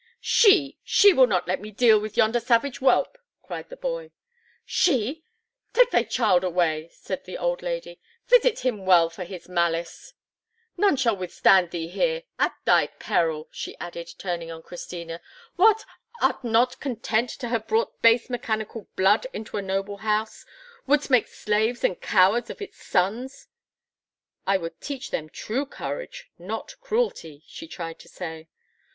"She; she will not let me deal with yonder savage whelp," cried the boy. "She! Take thy way, child," said the old lady. "Visit him well for his malice. None shall withstand thee here. At thy peril!" she added, turning on Christina. "What, art not content to have brought base mechanical blood into a noble house? Wouldst make slaves and cowards of its sons?" "I would teach them true courage, not cruelty," she tried to say.